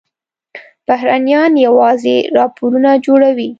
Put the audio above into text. بهرنیان یوازې راپورونه جوړوي.